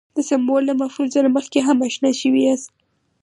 د سمبول له مفهوم سره مخکې هم اشنا شوي یاست.